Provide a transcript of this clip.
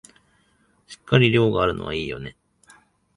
しっかり量があるのはいいよね